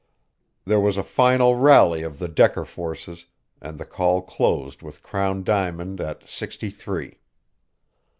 There was a final rally of the Decker forces, and the call closed with Crown Diamond at sixty three.